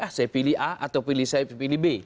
ah saya pilih a atau pilih saya pilih b